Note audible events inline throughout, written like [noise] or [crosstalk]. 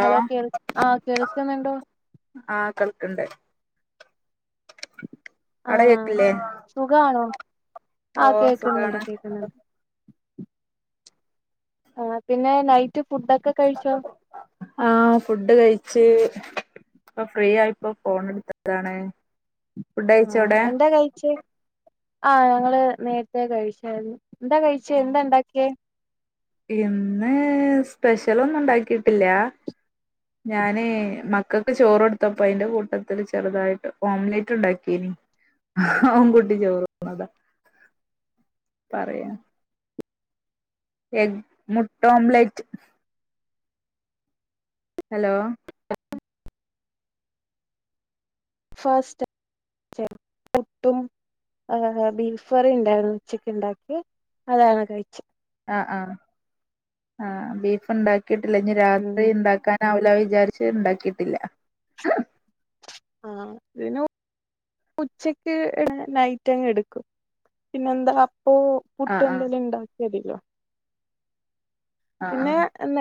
Hello കേൾ ആ കേൾക്കുന്നുണ്ടോ? ണ്ട് ആ കേക്കില്ലേ സുഖമാണോ? ആ ഓ കേക്കുന്നുണ്ട് സുഖാണ് കേക്കുന്നുണ്ട്. ആ പിന്നെ നൈറ്റ് ഫുഡൊക്കെ കഴിച്ചോ ആ ഫുഡ് കഴിച്ച് ഇപ്പോ ഫ്രീ ആയി ഇപ്പൊ ഫോൺ എടുത്തതാണ് ഫുഡ് ആ കഴിച്ചോ അവിടെ എന്താ കഴിച്ചേ ആ ഞങ്ങള് നേരത്തെ കഴിച്ചായിരുന്നു എന്താ കഴിച്ച എന്താ ഉണ്ടാക്കിയേ ഇന്ന് സ്പെഷ്യൽ ഒന്നും ഉണ്ടാക്കിട്ടില്ല ഞാന് മക്കൾക്ക് ചോറ് കൊടുത്തപ്പോ അയിന്റെ കൂട്ടത്തില് ചെറുതായിട്ട് ഓംലെറ്റ് ഉണ്ടാക്കിനി അതുംകൂട്ടി ചോറ്തിന്നതാ പറയാ എഗ് മുട്ടോംലെറ്റ് ഹലോ ഫാസ്റ്റ് പുട്ടും ബീഫ് കറി ഉണ്ടരുന്നു ഉച്ചക്ക് ഉണ്ടാക്കി അതാണ് കഴിച്ച ആ ആ ആ ബീഫ് ഉണ്ടാക്കി കിട്ടില്ല ഇനി ഉം രാത്രി ഉണ്ടാക്കാൻ രാവിലെ വിചാരിച്ച് ഉണ്ടാക്കിട്ടില്ല ആ പിന്ന ഉച്ചക്ക് നൈറ്റങ്ങ് എടുക്കും പിന്നെന്താ അപ്പോ പുട്ടൊ ആഹ് ആഹ് എന്തേലും ഉണ്ടാക്കിയാമതിയല്ലോ ആ ആ പിന്നെ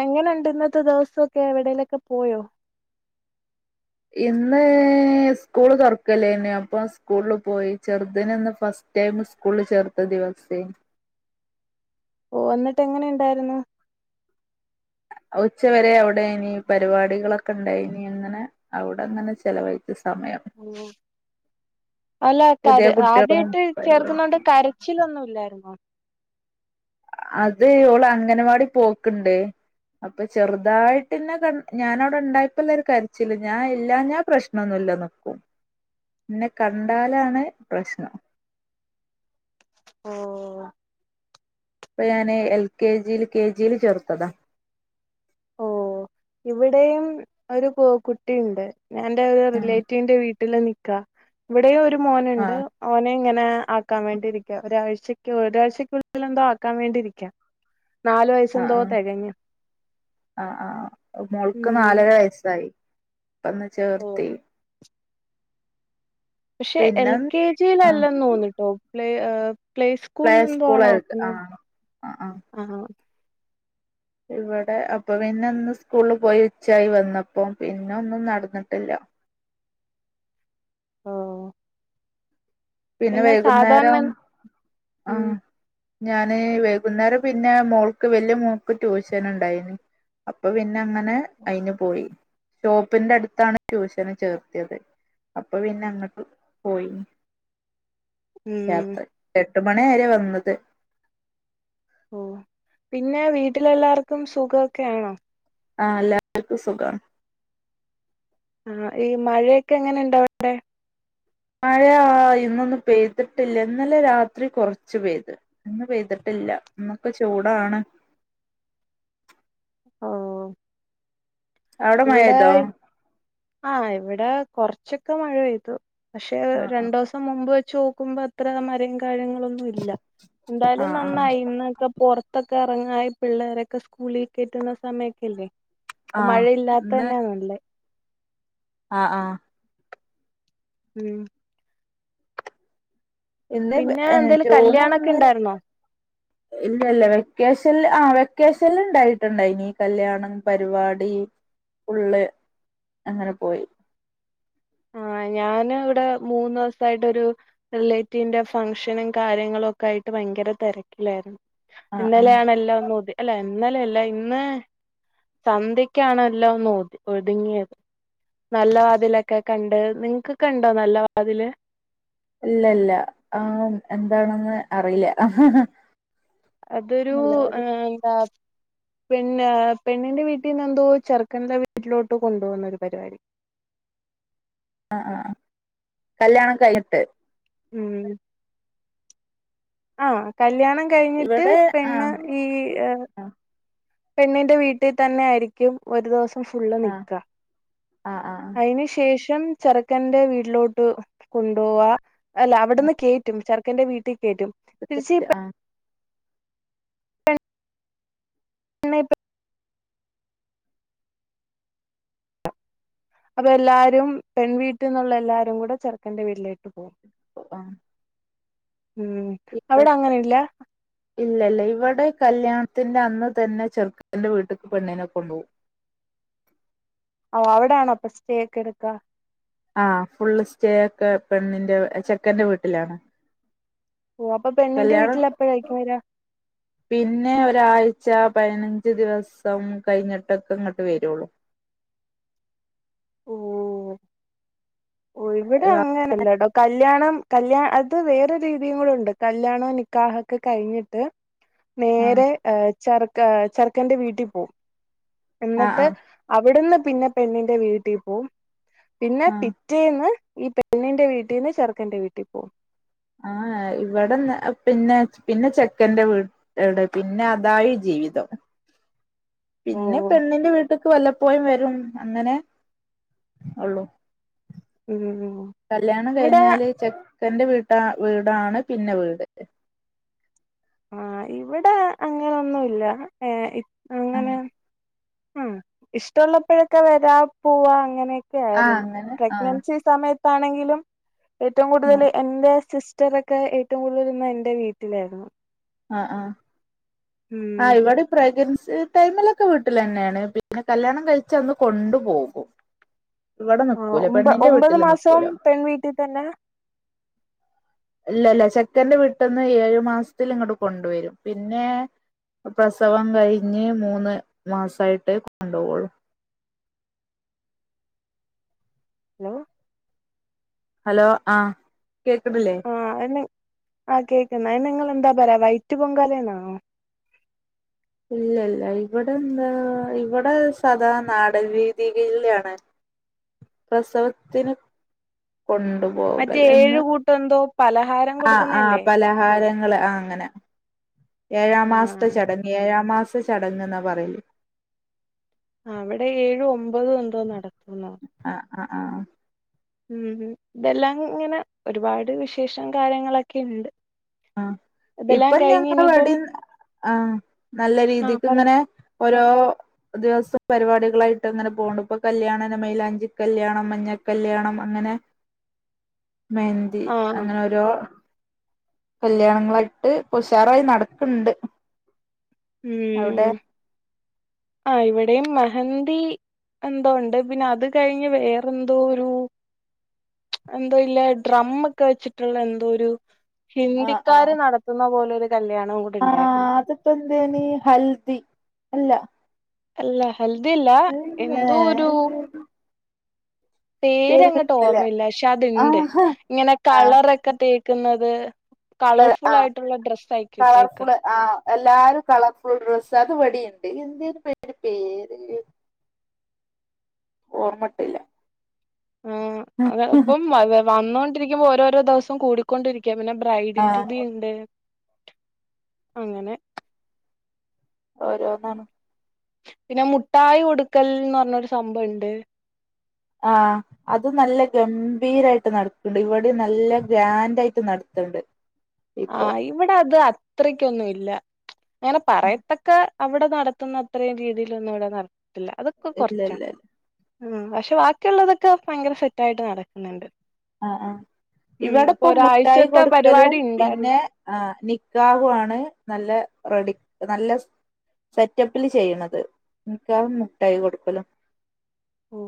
എങ്ങനുണ്ട് ഇന്നത്തെ ദിവസഒക്കെ എവിടേലൊക്കെ പോയോ ഇന്ന് സ്കൂള് തുറക്കല്ലേന്ന അപ്പൊ സ്കൂളില് പോയി ചെറുതിന് ഇന്ന് ഫസ്റ്റ് ടൈം സ്കൂളി ചേർത്ത ദിവസേരുന്നു. ഓ എന്നിട്ട് എങ്ങനെണ്ടായിരുന്നു? ഉച്ച വരെ അവിട് ന് പരിപാടികളൊക് ണ്ടായിന് അങ്ങനെ അവിടെ അങ്ങനെ ചെലവായി അല്ല പുതിയ കര കുട്ടികളും ആദ്യായിട്ട് പരിപാടി ചേർക്കുന്നോണ്ട് കരച്ചിലൊന്നുല്ലായി ന്നോ അത് ഓള് അംഗനവാടി പോക്ക്ണ്ട് അപ്പൊ ചെറുതായിട്ട് ന്നെ ക ഞാനവിടെ ഇണ്ടായപ്പോള്ളരു കരിച്ചില് ഞാൻ ഇല്ലാഞ്ഞാ പ്രശ്നൊന്നുല്ല നിക്കും എന്നെ കണ്ടാലാണ് പ്രശ്നം ഓ ഇപ്പ ഞാന് എൽ കെ ജിയില് കെ ജിയില് ചേർത്തതാ ഓ ഇവിടെയും ഒരു കു കുട്ടിയുണ്ട് ഞാൻ ന്റൊരു ആ റിലേറ്റീവിന്റെ വീ വീട്ടില് നിക്ക ഇവിടെയൊരു രു ആ മോന്ണ്ട് ഓനെ ഇങ്ങ നെ ആക്കാൻ വേണ്ടിയിരിക്ക ഒരാഴ്ചക്ക് ഒരാഴ്ചക്കുള്ളിലെന്തോ ആക്കാൻ വേണ്ടിയിരിക്ക നാലു വയസെന്തോ തെകഞ്ഞു ആ ആ ഓ മോൾക്ക് നാലര വയസ്സാ കൈ പ്പന്ന് ചേർത്തി പക്ഷെ എൽ പിന്നെ കെ ആഹ് ജിയിലല്ലന്നോന്ന് ട്ടോ ളേ ഏ പ്ലേ സ്കൂള്ലെന്തോ ആണ് സ്കൂളായിട്ട് ആക്കുന്നെ ആഹ് ആഹ് ആഹ് ആ ആ ഇവിടെ അപ്പപിന്നെ ഇന്ന് സ്കൂള് പോയി ഉച്ചായി വന്നപ്പം പിന്നെ ഒന്നും നടന്നിട്ടില്ല ഓ പിന്നെ വൈകുന്നേരം ആ ഉം ഞാന് വൈകുന്നേരം പിന്നെ മോൾക്ക് വല്ല്യ മോൾക്ക് ട്യൂഷന് ഇണ്ടായിനി അപ്പം പിന്നെ അങ്ങനെ അയിന് പോയി ഷോപ്പിന്റട്ത്താണ് ട്യൂഷന് ചേർത്തിയത് അപ്പൊ പിന്നെ അങ്ങട്ട് പോയി ഉം രാത്രി എ ട്ട് മണിയേയെരാണ് വന്നത് ഓ പിന്നെ വീട്ടിലെല്ലാർക്കും സുഖോക്കെയാണോ? ആ എല്ലാർക്കും സുഖാണ്. ആ ഈ മഴയൊക്കെ എങ്ങനെണ്ട് അവ്ടെ? മഴയ ഇന്നൊന്നും പെയ്തിട്ടില്ല ഇന്നലെ രാത്രി കൊറച്ച് പെയ്ത് ഇന്ന് പെയ്തിട്ടില്ല ഇന്നൊക്കെ ചൂടാണ്. ഓ അവിടെ ഇവിടെ മഴേതോ ആ ഇവിടെ കൊറച്ചൊക്കെ മഴെയ്തു പക്ഷെ ആഹ് രണ്ടോസം മുമ്പ് ചോക്കുമ്പോ എത്രാ മരങ്കഴങ്ങ് ളൊന്നുല്ല ന്തായാലും ആഹ് ആഹ് നന്നായി ഇന്നൊക്കെ പൊറതൊ കറങ്ങായി പിള്ളേരൊക്കെ സ്കൂളിലെക്കേറ്റുന്ന സമയൊക്കല്ലേ ആഹ് പ്പം ആഹ് മഴയില് അതന്നെ നല്ലെ ആ ആ ഉം ഇന്ന് പിന്നെ എന്തേലും ജൂൺ കല്യാണൊക്കെ ഒന്നിന് ഇണ്ടാർന്നോ? ഇല്ലല്ല വെക്കേഷൻല് ആ വെക്കേഷനില് ഇണ്ടായിട്ടുണ്ടായിന് കല്യാണം പരിപാടി ഫുള്ള് അങ്ങനെ പോയി ആ ഞാനിവിടെ മൂന്നീസായിട്ടൊരു റിലേറ്റീവിന്റെ ഫംഗ്ഷനും കാര്യങ്ങളും ഒക്കെ ആയിട്ട് ഭയങ്കര തെരക്കിലായിരുന്നു. ആഹ് ആഹ് ഇന്നലെയാണ് എല്ലാം ഒന്ന് ഒതി അല്ലെ ഇന്നലെയല്ല ഇന്ന് സന്ധ്യക്കാണ് എല്ലാം ഒന്ന് ഒത് ഒതുങ്ങിയത് നല്ല വാതിലക് ക്കെ കണ്ട് നിങ്ങക്കൊക്കെയ്ണ്ടോ നല്ല വാതില് ഇല്ല ഇല്ല ആ എന്താണെന്ന് അറിയില്ല അതൊരു ഉം എന്താ പിന്നെ പെണ്ണിന്റെ വീട്ടിന്ന് എന്തോ ചെറുക്കന്റെ വീട്ടിലോട്ട് കൊണ്ട് പോകുന്നൊരു പരിപാടി ആ ആ കല്യാണം കഴിഞ്ഞിട്ട് ഉം ആ കല്യാണം ക കഴിഞ്ഞിട്ട് ഇവിടെ പെണ്ണ് ആഹ് ഈ ഏഹ് ആഹ് പെണ്ണിന്റെ വീട്ടി തന്നെ ആയിരിക്കും ഒരു ദിവസം ഫുള്ള് ആഹ് നിക്ക ആഹ് ആഹ് അതിന് ശേഷ് [unintelligible] ചെറുക്കന്റെ വീട്ടിലോട്ട് കൊണ്ടോവാ അല്ല അവിടുന്ന് കേറ്റും ചെറുക്കന്റെ വീട്ടി കേ കേറ്റും തിരിച്ച് പെ ആഹ് പെണ്ണെ അപ്പൊ എല്ലാരും പെൺ വീട്ടിന്നുള്ള എല്ലാരും കൂടെ ചെറുക്കന്റെ വീട്ടിലേക്ക് പോകും ആ ഉം ഇല്ല അവിടെ അങ്ങനെയില്ല ഇല്ല ഇവിടെ കല്യാണത്തിന്റെ അന്ന് തന്നെ ചെർക്കന്റെ വീട്ട്ക്ക് പെണ്ണിനെ കൊണ്ടോവും ഓ അവിടെ ആണോ അപ്പൊ സ്റ്റേ ഒക്കെ എടുക്കാ ആ ഫുള്ള് സ്റ്റേ ഒക്കെ പെണ്ണിന്റെ ചെക്കന്റെ വീട്ടിലാണ് ഓ അപ്പൊ പെണ്ണിന്റെ കല്യാണം വീട്ടിൽ എപ്പോഴായിരിക്കും വരാ പിന്നെ ഒരാഴ് ച്ചാ പതിനഞ്ച് ദിവസം കഴിഞ്ഞിട്ടൊക്കെ ഇങ്ങട്ട് വരൊള്ളു ഓഹ് ഓ ഇവിടെ ആഹ് അങ്ങനല്ല ട്ടൊ കല്ല്യാണം കല്യാ അത് വേറെ രീതിയും കൂടെണ്ട് കല്യാണം നിക്കാഹൊക്കെ കഴിഞ്ഞിട്ട് നേരെ ആഹ് ചെറക്ക് ചെർക്കന്റെ വീട്ടിൽ പോവും ആഹ് എന്നിട്ട് ആഹ് അവിടുന്ന് പിന്നെ പെണ്ണിന്റെ വീട്ടീപോവും പിന്നെ പി ആഹ് റ്റെന്ന് ഈ പെണ്ണിന്റെ വീട്ടിന്ന് ചെറുക്കന്റെ വീട്ടി പോകും ആ ഇവിടെ പിന്നെ പിന്നെ ചെക്കന്റെ വീട് പിന്നെ അതായി ജീവിതം ഓ പിന്നെ പെണ്ണിന്റെ വീട്ട്ക്ക് വല്ലപ്പോഴും വരും [unintelligible] അങ്ങനെ ഒള്ളു ഉം കല്യാണം ഇവിടെ കഴിഞ്ഞാല് ചെ ക്കന്റെ വീട്ടാ വീടാണ് പിന്നെ വീട് ആഹ് ഇവിടെ അങ്ങനെന്നുല്ല ഏ ഇ ങ്ങനെ ആഹ് ഉം ഇഷ്ടഉള്ളപ്പഴൊക്കെ വരാ പോവാ അങ്ങനെ ക്കെ ആരുന്നു അങ്ങനെ ആഹ് പ്രഗ്നൻസി സമയത് ണ്ട്സാണെങ്കിലും ഏറ്റവും കൂടുതല് എന്റെ സിസ് റ്റതൊകെ ഏറ്റവും കൂടുതൽ നിന്ന എന്റെ വീട്ടിലായിരുന്നു. ആഹ ആഹ ഉം ആഹ ഇവിടെ പ്രഗന്സ് ടൈമിലൊക്കെ വീട്ടിലന്നെയാണ് പിന്നെ കല്യാണം കഴിച്ച അന്ന് കൊണ്ടു പോകും. ഇവിടെ ആഹ നിക്കൂല ഒമ്പ പെണ്ണിന്റെ ഒമ്പത് വീട്ടില് നിക്കൂല മാസം പെൺ വീട്ടി തന്നെ ഇല്ലല്ല ചെക്കന്റെ വീട്ടന്ന് ഏഴു മാസത്തില് ഇങ്ങട് കൊണ്ടുവരും പിന്നെ പ്രസവം കഴിഞ്ഞ് മൂന്ന് മാസായിട്ട് കൊണ്ടുപോവുള്ളു ലോ ഹലോ ആഹ ആഹ എന്നെ ആ കേക്കുന്ന ന്നെ നിങ്ങൾ എൻ ന്താ പറയാ വൈറ്റ് പൊങ്കാലന്നാനോ ഇല്ലല്ല ഇവിടെ എന്താ ഇവിടെ സാദാ നാടൻ രീതിയിൽ ആണ് പ്രസവത്തിന് മറ്റേ കൊണ്ടുപോകൽ ഏഴു എന്ന് കൂട്ടം എന്തോ പലഹാരം ആ ആഹ കൊടുക്കുന്നല്ലേ പലഹാരങ്ങൾ ആ അങ്ങനെ ആ ഏഴാം മാസത്തെ ചടങ്ങി ഏഴാം മാസ ത് ചടങ്ങ്ന്നാ പറയലേ ആ അവിടെ ഏഴു ഒമ്പത് എന്തോ നടത്തുന്നോ അ ആഹ് ഉം ഇതെല്ലാം ഇങ്ങനെ ഒരുപാട് വിശേഷം കാര്യങ്ങളൊക്കെണ്ട് ആ ഇപ്പം ഞങ്ങളെവിടിം ആഹ് നല്ല ആ രീതിക്ക് പറ ഇങ്ങനെ ഓരോ ദിവസം പരിപാടികളായിട്ട് അങ്ങനെ പോണ് ഇപ്പൊ കല്ല്യാണം മൈലാഞ്ചിക്കല്ല്യാണം മഞ്ഞക്കല്ല്യാണം അങ്ങനെ മെഹന്തി ആ അങ്ങനെ ഓരോ കല്ല്യാണങ്ങളായിട്ട് ഉഷാറായി നടക്ക്ണ്ട് ഉം അവിടെ ആ ഇവിടെയും മെഹന്തി എന്തോ ഉണ്ട് പിന്നെ അത് കഴിഞ്ഞ് വേറെന്തോ ഒരു എന്തോ ഇല്ല ഡ്രം ഒക്കെ വെച്ചിട്ടുള്ള എന്തോ ഒരു ഹിന്ദിക്കാര് നടത്തുന്ന പോലൊരു ആഹ് അതിപ്പ എന്തേന്ന് ഹൽദി അല്ല അല്ലാ ഹെൽദി ഇല്ല എന്തോ ഒരു ഏ പേര് അങ്ങോട്ട് ഓർമ്മയില്ല പക്ഷെ അത്ണ്ട് ആഹ് ഇങ്ങനെ ആഹ് കളറൊക്കെ നിക്കുന്നത് കളർഫുൾ ആഹ് ആയിട്ടുള്ള ഡ്രസ്സ് അയിക്കിട്ടേക്ക കളർഫുള് ആഹ് എല്ലാരും കളർഫുൾ ഡ്രെസ്സ് അതിവിടെയുണ്ട് എന്തേയ്ര്ന്ന് അതിന്റെ പേര് ഓർമ്മട്ടിണില്ല ആ അത് ഇപ്പം വന്നോ ഇരിക്കുമ്പോ ഓരോരോ ദിവസം കൂടിക്കൊണ്ടിരിക്കും പിന്നെ ആഹ് ബ്രൈഡിറ്റുബി ഉണ്ട് അങ്ങനെ ഓരോന്നാണ് പിന്നെ മുട്ടായി കൊടുക്കൽന്ന് പറഞ്ഞൊരു സംഭവുണ്ട് ആ അത് നല്ല ഗംഭീരായിട്ട് നടക്കണ്ട് ഇവിടെ നല്ല ഗ്രാൻഡ് ആയിട്ട് നടത്തണ്ട് ആ ഇവിടെ അത് അത്രക്കൊന്നും ഇല്ല ങ്ങനെ പറയത്തക്ക അവിടെ നടത്തുന്ന അത്രയും രീതിയിലൊന്നും ഇവിടെ നട അതൊക്കെ ഇല്ല കൊറച്ചാ ഇല്ല ഇല്ല ഉം പക്ഷെ ബാക്കിയുള്ളതൊക്കെ ഭയങ്കര സെറ്റായിട്ട് നടക്കുന്നുണ്ട് ആ ആ ഉം ഇവിടെ അപ്പൊ ഇപ്പൊ മുട്ടായി ഒരാഴ്ചത്തെ കൊടുക്കലും പരിപാടി പി ഉണ്ടായിരുന്നു പിന്നെ ആ നിക്കാഹു ആണ് നല്ല റെഡി നല്ല സെറ്റപ്പിൽ ചെയ്യണത് നിക്കാഹും മുട്ടായി കൊടുക്കലും ഓ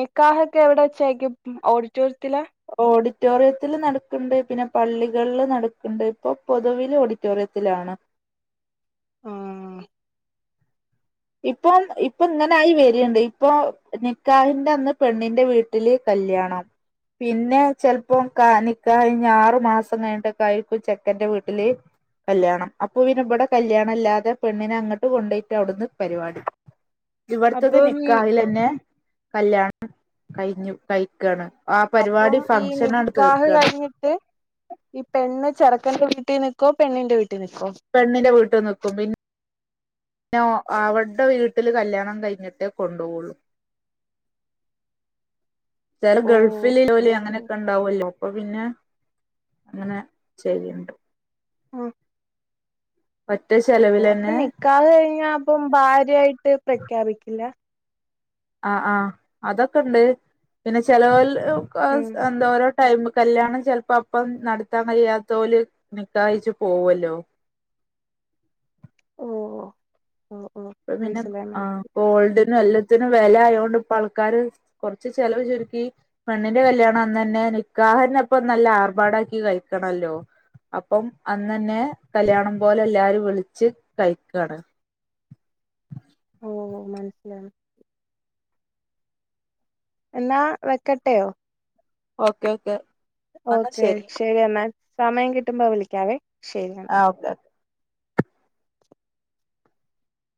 നിക്കാഹൊക്കെ എവിടെ വച്ചായിരിക്കും ഓഡിറ്റോറിയത്തിലാ ഓഡിറ്റോറിയത്തില് നടക്കണ്ട് പിന്നെ പള്ളികളില് നടക്കണ്ട് ഇപ്പൊ പൊതുവില് ഓഡിറ്റോറിയത്തിലാണ് ആഹ ഇപ്പം ഇപ്പൊ ഇങ്ങനായി വരിയിണ്ട് ഇപ്പൊ നിക്കാഹിന്റെ അന്ന് പെണ്ണിന്റെ വീട്ടില് കല്യാണം പിന്നെ ചിലപ്പോം കാ നിക്കാഹ് കഴിഞ്ഞ് ആറു മാസം കഴിഞ്ഞിട്ടക്കായിരിക്കും ചെക്കന്റെ വീട്ടില് കല്യാണം അപ്പൊ ഇനി ഇവിടെ കല്യാണ ഇല്ലാതെ പെണ്ണിനെ അങ്ങോട്ട് കൊണ്ടോയിട്ട് അവിടുന്ന് പരിപാടി ഇവിടത്തത് അപ്പം നിക്കാഹിലന്നെ കല്യാണം കഴഞ്ഞു കഴിക്കയാണ് അപ്പം ഈ നിക്കാഹ് കഴിഞ്ഞിട്ട് ഈ പെണ്ണ് ചെറക്ക ചെറുക്കന്റെ വീട്ടിൽ നിൽക്കോ പെണ്ണിന്റെ വീട്ടി പെണ്ണിന്റെ വീട്ടിൽ നിക്കും പിന്നെ പിന്നെ അവരുടെ വീട്ടില് കല്യാണം കഴിഞ്ഞിട്ടേ കൊണ്ടുപോളൂ ചെല ഓ ഗൾഫിൽജോലി അങ്ങനെയൊക്കെ ആ ഉണ്ടാവല്ലോ അപ്പൊ പിന്നെ അങ്ങനെ ചെയ്യിണ്ട് ആഹ ഓ അപ്പൊ ചെലവിലന്നെ നിക്കാഹ് കഴിഞ്ഞ അപ്പം ഭാര്യയായിട്ട് പ്രഖ്യാപിക്കില്ല ആ ആ അതൊക്കെണ്ട് പിന്നെ ചെലവെ ഉം [unintelligible] ടൈമ് കല്യാണം ചിലപ്പോ അപ്പം നടത്താൻ കഴിയാത്തോല് നിക്കാഹ് കയ്ച്ച് പോവോല്ലോ ഓഓ ഓ ഓ ഇപ്പം പിന്നെ മനസ്സിലായി ആ മനസ്സിലായി ഗോൾഡിന് നല്ല ത്തിന് വില ആയൊണ്ട് ഇപ്പ ആൾക്കാാര് കുറച്ച് ചെലവ് ചുരുക്കി പെണ്ണിന്റെ കല്യാണം അന്ന് തന്നെ നിക്കാഹന്നെപ്പം നല്ല ആർഭാടാക്കി കഴിക്കണല്ലോ അപ്പം അന്ന് തന്നെ കല്യാണം പോലെ എല്ലാരും വിളിച്ച് കഴിക്കാണ് ഓഓ മനസ്സില എന്നാ വെക്കട്ടെയോ ഓക്കെ ഓക്കെ എന്നാ ഓക്കെ ശരി ശരിയെന്ന സമയം കിട്ടുമ്പോ വിളിക്കാവേ ശരി എന്നാ ആ ഓക്കെ ഓക്കെ